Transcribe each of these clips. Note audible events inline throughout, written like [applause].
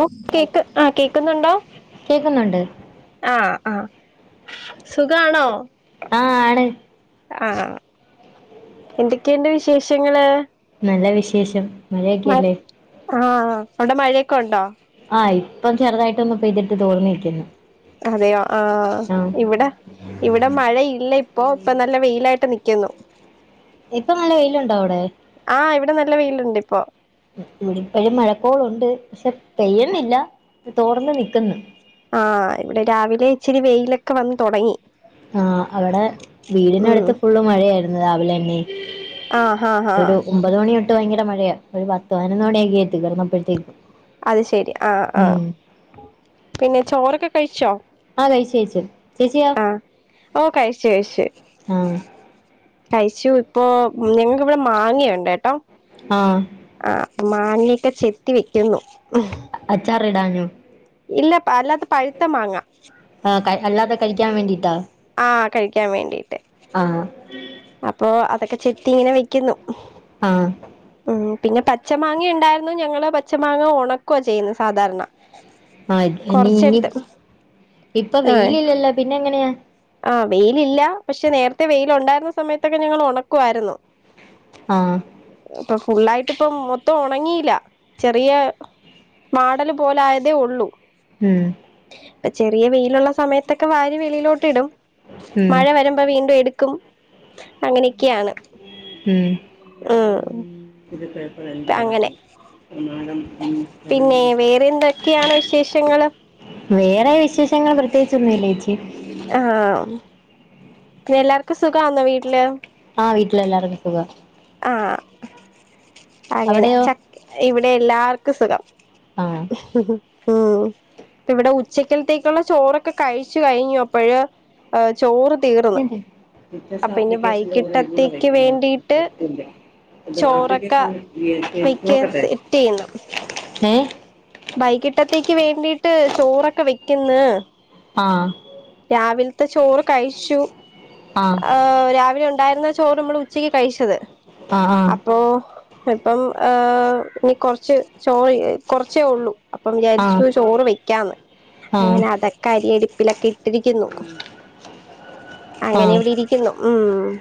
ഓകേക്ക് ആ കേക്കുന്നുണ്ടോ കേക്കുന്നുണ്ട് ആ ആ സുഖാണോ ആ ആണ് ആ എന്തൊക്കെയുണ്ട് വിശേഷങ്ങള് നല്ല വിശേഷം മ മഴേക്കല്ലേ. ആ വെടെ മഴയൊക്കെ ഒണ്ടോ ആ ഇപ്പം ചെറുതായിട്ടൊന്ന് പെയ്തിട്ട് തോർന്നിരിക്കുന്നു അതെയോ ആ ഇവിടെ ഇവിടെ മഴയി ഇല്ല ഇപ്പൊ ഇപ്പൊ നല്ല വെയിലായിട്ട് നിക്കുന്നു ഇപ്പൊ നല്ല വെയിലുണ്ടോ അവിടെ ആ ഇവിടെ നല്ല വെയിലുണ്ട് ഇപ്പോ ഇവ്ടെ ഇപ്പോഴും മഴക്കോളുണ്ട് പക്ഷെ പെയ്യ്ന്നില്ല തോർന്ന് നിക്കുന്ന് ആ ഇവിടെ രാവിലെ ഇച്ചിരി വെയിലൊക്കെ വന്ന് തുടങ്ങി ആ അവിടെ ഉം വീടിനടുത്ത് ഫുള്ള് മഴയായിരുന്നു രാവിലെ തന്നെ ആ ഹാ ഹാ ഒരു ഒമ്പത് മണിയ ട്ട ഭയങ്കരമഴയാ ഒരു പത്ത് പതിനൊന്ന് മണിയൊക്കെയായി തീർന്നപ്പഴ്ത്തേക്ക്‌ അത് ശരി ആഹ ആഹ പിന്നെ ചോറൊക്കെ കഴിച്ചോ അ കഴിച്ച് കഴിച്ച് ആ ഓ കഴിച്ചു കഴിച്ചു ആ കഴിച്ചു ഇപ്പൊ ഞങ്ങക്കിവിടെ മാങ്ങയുണ്ട് കേട്ടോ ആഹ ആ മാങ്ങയൊക്കെ ചെത്തി വെക്കുന്നു അച്ചാറിടാനോ ഇല്ല [unintelligible] മാങ്ങ ആ ക അല്ലാതെ കഴിക്കാൻ വേണ്ടി ആഹ കഴിക്കാൻ വേണ്ടി ആ അതൊക്കെ ചെത്തി ഇങ്ങനെ വെക്കുന്നു ആ ഇം പിന്നെ പച്ച മാങ്ങ ഇണ്ടായിരുന്നു ഞങ്ങള് പച്ച മാങ്ങ ഒണക്കുവ ചെയ്യുന്നത് സാധാരണ ആത ഇനി കൊറച്ചെടുത്ത് ഇനിയിപ്പ ഇപ്പൊ ആ വെയിലില്ലല്ലോ പിന്നെ എങ്ങനെയാ ആ വെയിലില്ല പക്ഷെ നേരത്തെ വെയില ഒണ്ടായിരുന്ന സമയത്തൊക്കെ ഞങ്ങള് ഒണക്കുവായിരുന്നു ആ ഫുള്ളായിട്ടിപ്പം മൊത്തം ഉണങ്ങിയില്ല ചെറിയ മാടല് പോല ആയതേ ഉള്ളൂ ഉം ഇപ്പൊ ചെറിയ വെയിലുള്ള സമയത്തൊക്കെ വാര് വെളിയിലോട്ട് ട്ടിടും ഉം മഴ വരുമ്പോ വീണ്ടും എടു ക്കും അങ്ങനെയൊക്കെയാണ് ഉം ആഹ് [unintelligible] [unintelligible] എന്നാലും പിന്നെ വേറെ എന്തൊക്കെയാണ് വിശേഷങ്ങള് വേറെ വിശേഷങ്ങൾ പ്രത്യേകിച്ചൊന്നുല്ലേച്ചി ആഹ പിന്ന എല്ലാർക്കും സുഖാന്നോ വീട്ടില് ആ വീട്ടില് എല്ലാർക്കും സുഖാ ആ അങ്ങനെ അവിടെയോ ച ഇവിടെ എല്ലാർക്കും സുഖം ആഹ് മ്മ്.. ഇപ്പ ഇവിടെ ഉച്ചക്കലത്തേക്കുള്ള ചോറൊക്കെ കഴിച്ചു കഴിഞ്ഞു അപ്പഴ് ചോറ് തീർന്ന് വത് അപ്പൊ ഇനി ആപ്ലിക്കേഷന്റെ കൂടെ എൂടെ വൈകിട്ടത്തേക്ക് വേണ്ടിയിട്ട് വെക്കപ്ൻ ചോറൊക്കെ വെക്കാൻ നോക്കട്ടെ സെറ്റ് ബൈകിട്ടത്തേക്ക് വേണ്ടിട്ട് ചോറൊക്കെ വെക്ക്ന്ന് ആഹ് ത്തെ ചോറ് കഴിച്ചു ആഹ് ആ രാവിലെ ഉ ഉണ്ടായിരുന്ന ചോറ് നമ്മൾ ഉച്ചയ്ക്ക് കഴിച്ചത് ആഹ് അപ്പൊ ഇപ്പം ആ ഇനി കുറച്ച് ചോറ് കൊർ ച്ചേ ഉള്ളൂ അപ്പം ആഹ് വിചാരിച്ചു ചോറ് വെക്കാന്ന് ആഹ് ആഹ് അങ്ങനെ അതൊക്കെ അരിയടി പിലക്കി ട്ടിരിക്കുന്നു അങ്ങനെ ആഹ് ഇവിടെ ഇരിക്കുന്നു ഊം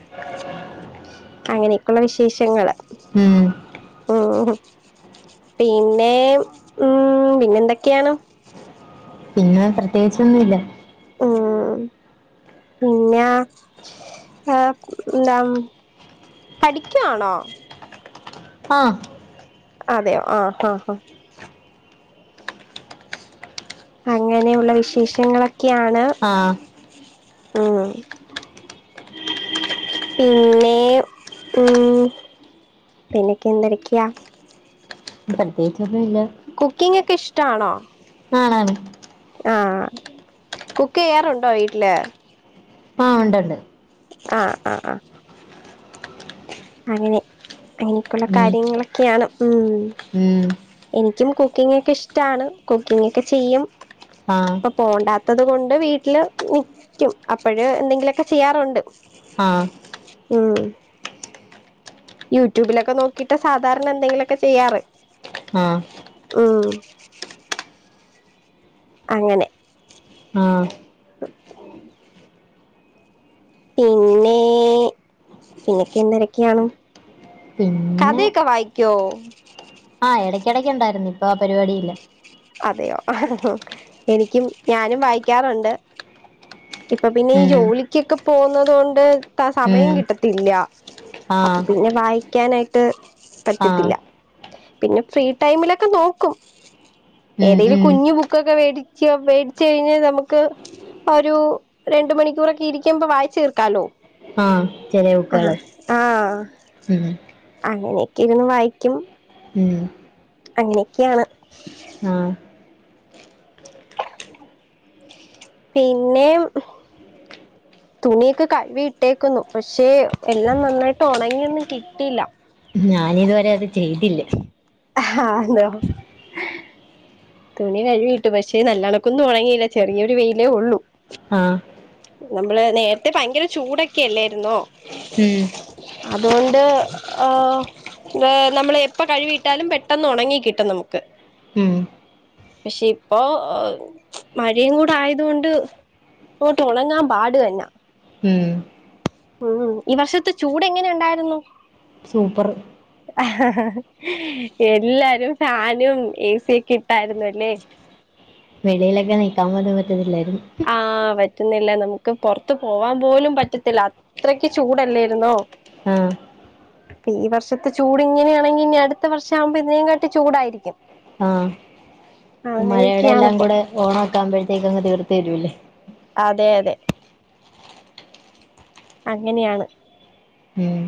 അങ്ങനെയൊക്കെയുള്ള വിശേഷങ്ങള് ഉം ഉം പിന്നേ ഉം പിന്നെന്തൊക്കെയാണ് പിന്നെ പ്രത്യേകിച്ചൊന്നുമില്ല ഉം പിന്നെ എന്താ പഠിക്കുവാണോ ആഹ അതെയോ ആഹ് ആഹ് ഹ അങ്ങനെയുള്ള വിശേഷങ്ങളൊ ഒക്കെയാണ് ആഹ് ഉം പിന്നെ ഉം പിന്നക്കെ എന്തരക്കാ പ്രത്യേകിച്ചൊന്നും ഇല്ല കുക്കിംഗ ഒക്കെ ഇഷ്ടാണോ ആണ് ആണ് ആഹ കുക്ക് ചെയ്യാറുണ്ടോ വീട്ടില് ആഹ ഉണ്ട ഉണ്ട് ആഹ ആഹ ആ അങ്ങനെ അങ്ങനക്കുള്ള ഉം കാര്യങ്ങളൊക്കെയാണ് ഉം ഉം എനിക്കും കുക്കിംഗ്‌ ഒക്കെ ഇഷ്ടമാണ്. കുക്കിംഗ്ക്കെ ചെയ്യും ആഹ് ഇപ്പൊ പോണ്ട ത്തത് കൊണ്ട് വീട്ടില് നിക്കും. അപ്പോഴ് എന്തെങ്കിലുമൊക്കെ ചെയ്യാറുണ്ട് ആഹ ഉം, യൂട്യൂബിലൊക്കെ നോക്കിട്ട് സാധാരണ എന്തെങ്കിലുമൊക്കെ ചെയ്യാറ് ആഹ് ഉം അങ്ങനെ ആഹ് പിന്നെ പിന്നെക്കെ എന്തരക്കെയാണ്, പിന്നെ കഥയൊക്കെ വായിക്കോ ആഹ് ഇടയ്ക്കിടക്ക് ഉണ്ടായിരുന്നു ഇപ്പൊ ആ പരിപാടിയില്ല അതെയോ, എനിക്കും ഞാനും വായിക്കാറുണ്ട് ഇപ്പൊ പിന്നെ ഈ ഉം ജോലി ഒക്കെ പോകുന്നത കൊണ്ട് ത സമയം ഉം കിട്ട ഇല്ല അപ്പൊ ആഹ് പിന്നെ വായി [unintelligible] ആഹ് പറ്റത്തില്ല പിന്നെ ഫ്രീ ടൈമിലൊക്കെ നോക്കും ഉം ഏതേലും ഉം കുഞ്ഞി ബു ബുക്കൊക്കെ വേടിച്ച് വേടിച്ച് കഴിഞ്ഞ് നമുക്ക് ഒരു രണ്ട മണിക്കൂറൊക്കെ ഇരിക്കുമ്പൊ വായിച്ചു തീർക്കാലോ ആ ചെറിയ ബുക്കോളു ആ ആഹ് ഉം അങ്ങനെയൊക്കെ ഇരുന്ന് വായിക്കും ഉം അങ്ങനെയൊക്കെയാണ് ആഹ് പിന്നെ തുണിയൊക്കെ കഴുവി ഇട്ടേക്കുന്നു പക്ഷെ എല്ലാം നന്നായിട്ട് ഉണങ്ങിയൊന്നും കിട്ടില്ല ഞാൻ ഇതുവരെ അത് ചെയ്തില്ല ആ ന്തോ തുണി കഴുകിട്ട് പക്ഷേ നല്ലണക്കൊന്നും ഉണങ്ങിയില്ല ചെറിയൊരു വെയിലേ ഉള്ളൂ ആഹ് നമ്മള് നേരത്തെ ഭയങ്കര ചൂടൊക്കെ അല്ലായിരുന്നോ ഉം അതുകൊണ്ട് നമ്മൾ എപ്പ കഴ്കിയിട്ടാലും പെട്ടെന്ന് ഉണങ്ങി കിട്ടും നമുക്ക് ഉം പക്ഷെ ഇപ്പോ മഴയും കൂടെ ആയതുകൊണ്ട് ഉണങ്ങാൻ പാടുതന്ന ഉം ഉം ഈ വർഷത്തെ ചൂട് എങ്ങനെ ഉണ്ടായിരുന്നു സൂപ്പർ [inaudible] എല്ലാരും ഫാനും ഏ സിയ ഒക്കെ ഇട്ടായിരുന്നു അല്ലേ വെളിയിലൊക്കെ നിൽക്കാൻ പോലും പറ്റത്തില്ല- ആ വറ്റ പറ്റുന്നില്ല നമുക്ക് പുറത്ത് പോവാൻ പോലും പറ്റത്തില്ല അത്രക്ക് ചൂടല്ലരുന്നോ ആഹ് അപ്പൊ ഈ വർഷത്തെ ചൂട് ഇങ്ങനെയാണെങ്കി ഇനി അടുത്ത വർഷം ആകുമ്പോ ഇതിനേംകാട്ടി ചൂടായിരിക്കും ആഹ് മഴയുടെ എല്ലാം അങ്ങനെയൊക്കെയാണിപ്പോ കൂടെ ഓണം ക്കുമ്പോഴത്തേക്ക്അങ്ങ് തീർത്ത് തരുല്ലേ അതെ അതെ അങ്ങനെയാണ് ഉം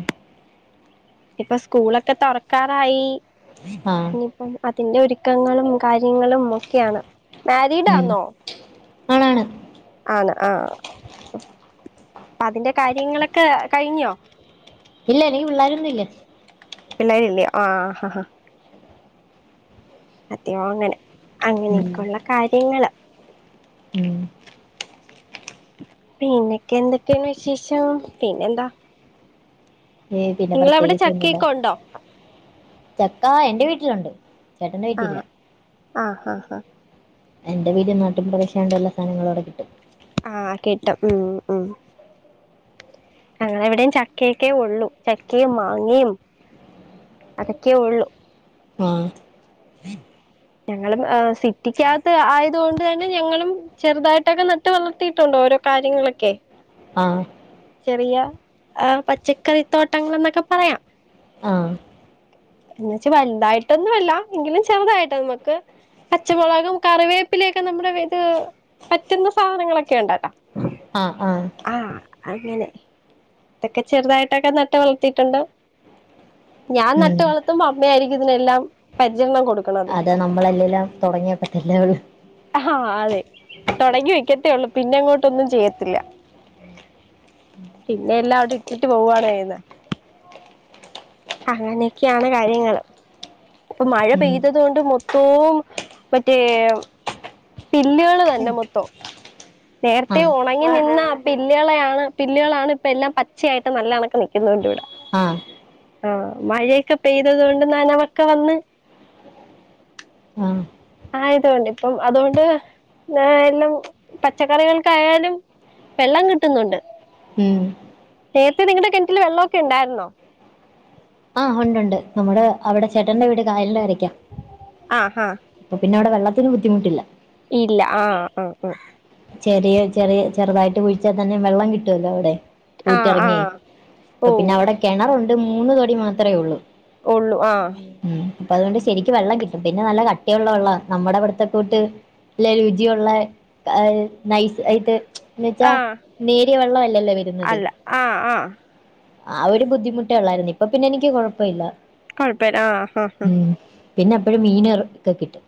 ഇപ്പൊ സ്കൂളൊക്കെ തുറക്കാറായി [inaudible] ആഹ് ഇനീപം അതിന്റെ ഒരുക്കങ്ങളും കാര്യങ്ങളും ഒക്കെയാണ് ഉം മാരിഡാന്നോ ആണാണ് ആന്ന്ആ അതിന്റെ കാര്യങ്ങളൊക്കെ കഴിഞ്ഞോ ഇല്ല നിക്ക് പിള്ളോരൊന്നും ഇല്ല പിള്ളേരി ഇല്ലേ ആ ആ ആ അതെയോ അങ്ങനെ ഉം അങ്ങനെയൊക്കെയുള്ള കാര്യങ്ങൾ ഉം പിന്നൊക്കെ എന്തൊക്കെയാണ് വിശേഷം പിന്നെന്താ പിന്നെ നിങ്ങളവിടെ പ്രതേകിച്ചു ഒന്നില്ല ചക്കയൊക്കെ ഉണ്ടോ ചക്കാ എന്റെ വീട്ടിൽ ലുഉണ്ട് ചേട്ടൻ്റെ വീട്ടില്ല ആഹ് [inaudible] ആഹ് ആഹ ഹാ എന്റെ വീട് നാട്ടിൻ പ്രദേശം ആയതുക്കൊണ്ട് എല്ലാസാധനങ്ങളുംഅവിടെ കിട്ടും ആഹ കിട്ടും ഉ ഉ ഞങ്ങ എവിടെയും ചക്കയൊക്കെ ഉള്ളൂ, ചക്കയും മാങ്ങയും അതൊക്കെ ഉള്ളു ആഹ ഞങ്ങളും സിറ്റിക്കകത്ത് ആയതുകൊണ്ട് തന്നെ ഞങ്ങളും ചെറുതായിട്ടൊക്കെ നട്ട് വളർത്തിയിട്ടുണ്ടോ ഓരോ കാര്യങ്ങളൊക്കെ ആഹ ചെറിയ ആ പച്ചക്കറിത്തോട്ടങ്ങൾ എന്നൊക്കെ ആഹ് പറയാംഎന്ന വച്ച്വലുതായിട്ടൊന്നും വല്ല എങ്കിലും ചെറുതായിട്ടാ നമുക്ക് പച്ചമുളകും കറിവേപ്പിലൊക്കെ നമ്മുടെ ഇത് പറ്റുന്ന സാധനങ്ങളൊക്കെ ഉണ്ടട്ടോ ആഹ ആഹ അങ്ങനെ, ഇതൊക്കെ ചെറുതായിട്ടൊക്കെ നട്ട് വളർത്തിയിട്ടുണ്ട് ഞാൻ ഉം നട്ട് വളർത്തുമ്പോ അമ്മയായിയിരിക്കും ഇതിനെല്ലാം പരിചരണം കൊടുക്കും അതാ നമ്മളല്ലെല്ലാം തുടങ്ങിയ പറ്റില്ലേ ഉള്ളു ആഹ് അതെ തുടങ്ങി വെക്കത്തേ ഉള്ളൂ പിന്നെ അങ്ങോട്ടൊന്നും ചെയ്യത്തില്ല പിന്നെ എല്ലാം അവിടെ ഇട്ടിട്ട് പോവാണ് യ്യുന്നത്. അങ്ങനെയൊക്കെയാണ് കാര്യങ്ങള്ൾ ഇപ്പൊ മഴ ഉം പെയ്തത് കൊണ്ട് മൊത്തവും മറ്റേ പില്ലുകള് വന്നെ മൊത്തം നേരത്തെ ആഹ് ഉണങ്ങി നിന്ന പില്ലുകളളെയ ആാണ് പുില്ലുകളളാണ് ഇപ്പ എല്ലാം പച്ചയായിട്ട് നല്ലണക്ക നിക്കുന്നൊണ്ട് ഇവിടെ. ആഹ് ആഹ മഴയൊക്കെ പെയ്തത് കൊണ്ട് നനവക്കെ വന്ന് ആഹ് ആയതൊണ്ട് ഇപ്പം അതുകൊണ്ട് എല്ലാം പച്ചക്കറികൾക്കായാലും വെള്ളം കിട്ടുന്നുണ്ട്. ഉം നേരത്തെ നിങ്ങളുടെ കിണറ്റില് വെള്ളമൊക്കെ ഉണ്ടായിരുന്നോ? ആ ഉണ്ട് ഉണ്ട്. നമ്മുടെ അവിടെ ചേട്ടന്റെ വീട് കായല ആഹ് ആഹ് അപ്പ പിന്നെ അവിടെ വെള്ള രു ബുദ്ധിമുട്ടില്ല ഇല്ല ആഹ ആഹ് ആഹ ചെറിയ ചെറിയ ചെറുതായിട്ട് കുഴിച്ചാൽ തന്നെ വെള്ളം കിട്ടുവല്ലോ അവിടെ ആഹ് ആഹ് ആഹ് പൂറ്റിറങ്ങ, ആഹ് ഓ അപ്പ പിന്നെ അവിടെ കിണറു മൂന്ന് തൊടി മാത്രമേ ഉള്ളൂ ഉള്ളു ആഹ് ഉ അപ്പൊ അതുകൊണ്ട് ശരിക്ക് വെള്ളം കി പിന്നെ നല്ല കട്ടിയുള്ള വെള്ള, നമ്മുടെ ഇവിടുത്തെ കൂട്ട് ല്ലെ രുചിയുള്ള നൈസ് യിട്ട് എന്നുവ വച്ചാ ആഹ് നേരിയ വെള്ള അല്ലല്ലോ വരുന്നത് അല്ല ആഹ് ആഹ് ആ ഒരു ബുദ്ധിമുട്ട ഉള്ളായിരുന്നു. ഇപ്പൊ പിന്നെ എനിക്ക് കുഴപ്പ ല്ല കുഴപ്പല്ലാ ആഹ് ആഹ ആഹ പിന്നെ എപ്പഴും മീൻ ഒക്കെ കിട്ടും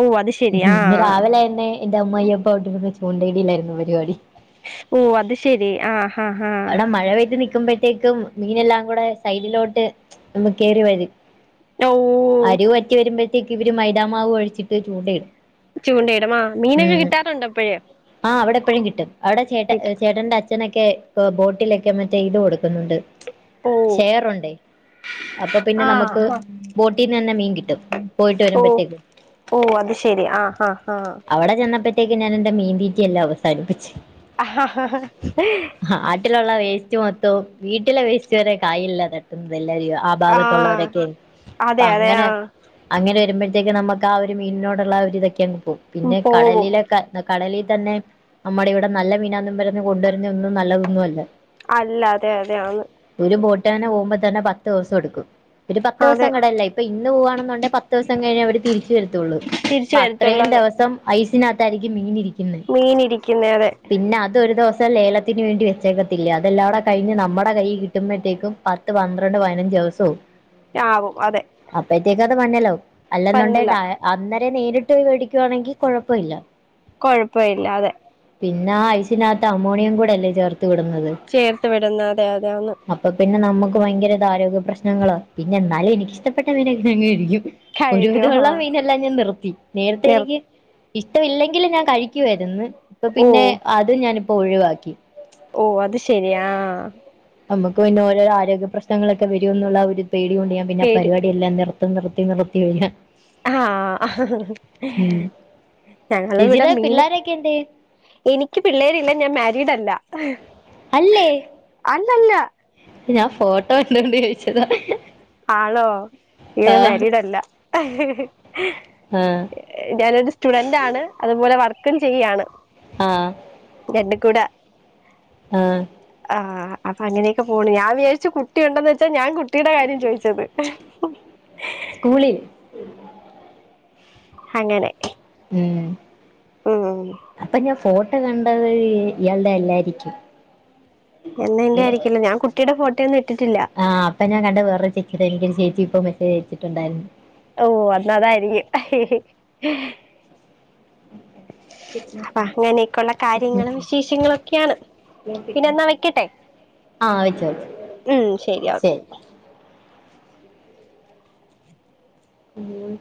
ഓ അത് ശെരി ഉ ആഹ് ആവല എന്നെ ഇന്റെ അമ്യ ഇ ചൂണ്ടേടില്ലായിരുന്നു പരിപാടി ഓ അത് ശെരി ആഹ് ഹഹ ആഹ ക്കുമ്പോഴത്തേക്കും മീനെല്ലാം കൂടെ സൈഡിലോട്ട് നമ്മ കയറി വരും ഓ അരിവ് വറ്റി വരുമ്പോ ക്ക് ഇവര് മൈതാമാവ് ഒഴിച്ചിട്ട് ചൂണ്ടയിടും ചുണ്ടയിടും, മീനക്കെ കിട്ടാറു ആഹ, അവിടെ എപ്പഴും കിട്ടും. അവിടെ ചേട്ട ചേട്ടന്റെ അച്ഛനൊക്കെ പ്പംബോട്ടിലൊക്കെ മറ്റേ ഇത് കൊടുക്കുന്നുണ്ട് ഓ ഷെയർ ഉണ്ടേ അപ്പംപിന്നെ ന്നമ്മുക്ക് ആഹ് ബോട്ടീന്ന് തന്നെ മീൻ കിട്ടും പോയിട്ട് ഓ വരുമ്പോയ്‌ത്തേക്ക് ഓ അത് ശെരി ആഹ് ആഹ് ആഹ് അവടെ ചെന്ന ചത്തേക്ക് തിന്നാൻ എന്റെ മീൻതീറ്റി എല്ലാം അവസാനിപ്പിച്ച് ഹ ഹ ഹ് വീട്ടിലുള്ള വെസ്റ്റ് മൊത്തവും വീട്ടിലെ വെസ്റ്റ് വരെ കായില തട്ടുന്നത് എ ന്നാ ചെയ്യുവാ അഭാഗത്ത് ഉള്ളവരൊക്കെ അതെ അപ്പം അതെ അങ്ങനെ ആഹ് അങ്ങനെ വരുമ്പ ത്തേക്ക് ന്നമ്മക്ക് ആ ഒരു മീനിന്നോട് ഉള്ള അ ഒരു ഇതൊക്കെ അങ്ങ് പിന്നെ പോവും കടലിലെ ന്ന കടലി തന്നെ നമ്മടെ ഇവടെ നല്ല മീനന്നും പറഞ്ഞ് കൊടുവരുന്നേ ഒന്നും നല്ലത് ഒന്നും അല്ല അല്ല അതെ അതെ ആന്ന് ട്ടനെ ഒവുംമ്പം തന്നെ പത്ത് ദിവസം എടുക്കും ഒരു പത്ത് ദിവസം അതെ കടലില ഇപ്പം ഇന്ന് പോവാണെന്നുണ്ടേൽ പത്ത് ദിവസം കഴിഞ്ഞേ അവര് തിരിച്ച് വരത്തുഉള്ളു തിരിച്ച് അപ്പം വരത്തുള്ളൂ അത്രേം അതെ ദിവസം ഐസ് പിന്നെ താരിക്കും ഇങ്ങിനെ ഇരി മീൻ ഇരിക്കിന്നെ അതെ ഒരു ദിവസം ലേലത്തിന് വേണ്ടി വെച്ചേക്കത്തില്ലേ അതെല്ലാടെ കയിഞ്ഞ് ന്നമ്മടെ കയ്യിൽ കിട്ടുമ്പോയ്‌ത്തേക്കും പത്ത് പന്ത്രണ്ട് പയിനഞ്ച് ദിവസാവും ആവും അതെ ത് വനലോ അല്ലെന്നുണ്ടേൽ പന്നലാ ഡയ അന്ന് ല്ലേ നേരിട്ട് പോയി വേടിക്കുവാണെങ്കിൽ കുഴപ്പം ഇല്ല കൊയപ്പം ഇല്ല അതെ പിന്നെ ആ ഐസിനകത്ത് അമോണിയം കൂടെ അല്ലെ ചെർ ചേർത്ത് വിടുന്നെ അതെ അതെ ആന്ന് നമക്ക് ഭയങ്കര ഇത് ആരോഗ്യ പ്രശ്നങ്ങള പിന്നെ എന്നാലും എനിക്കിഷ്ടപ്പെട്ട മീന ഞാൻ കഴിക്കും കഴിക്കും ഒരുവിധഉള്ള ആഹ് മീനെല്ലാം ഞാൻ നിർത്തി നേരത്തെ നിർ എനിക്ക് ഇഷ്ട്ട ഇല്ലെങ്കിലും ഞാൻ കഴിക്കുവായിരുന്ന് ഇപ്പൊ ഓ പിന്നെ അത് ഞാൻ പ്പോ ഒഴിവാക്കി ഓ അത് ശരിയാ നമുക്ക് പിന്നെ ഓരോരോ ആരോഗ്യ പ്രശ്നങ്ങളൊക്കെ വരോന്നുള്ള ആ ഒരു പേടി കൊണ്ട് ഞാൻ പിന്നെ ആ പേര് പരുവാടി എല്ലാം നിർ നിർത്തി നിർത്തി ഞാൻ ആ ഹാ ഹാ ഹ് ഞങ്ങള ഇവിടെ ചേച്ചിയുടെ മീൻ പിള്ളോരൊക്കെ എന്തേ എനിക്ക് പിള്ളേരില്ല ഞാൻ മാരീഡ് അല്ല ഹേയ് അല്ലേ ഹ അല്ല അല്ല ഞാൻ ഫോട്ടോ കണ്ടോണ്ട് ചോദിച്ചതാ ആണോ ഞാ ആ മാരീഡല്ല ഹി ഹി ആ ഞാനൊ സ്റ്റുഡന്റ് ആണ് അതുപോലെ വർക്കും ചെയ്യാണ് ആഹ രണ്ടും കൂടാ ആഹ ആ അപ്പൊ അങ്ങനൊക്കെ പോണ് ഞാൻ വിചാരിച്ചു കുട്ടിയുണ്ടെന്ന് വെച്ചാ ഞാൻ കുട്ടിയുടെ കാര്യം ചോയിച്ചത് ഹി ഹി സ്കൂളിൽ അങ്ങനെ ഉം ഉം അപ്പൊ ഞാ ഫോട്ട് [unintelligible] എന്നാ എന്റെയായിരിക്കില്ല ഞാൻ കുട്ടിയുടെ ഫോട്ടോയൊന്നും ഇട്ടിട്ടില്ല അതെ എനിക്കൊരു ചേച്ചിയിപ്പോ മെസേജ് അയച്ചിട്ടുണ്ടായിരുന്നു ഓ അന്നാതായിരിക്കും അപ്പ അങ്ങനെയൊക്കെയള്ള കാര്യങ്ങളും വിശേഷങ്ങളും ഒക്കെയാണ് പിന്നെന്നാ വെക്കട്ടെ ആഹ് വെച്ചോ വെച്ചോ ഉം ശരി ഓക്കെ മ്മ്